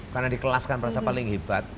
karena dikelaskan merasa paling hebat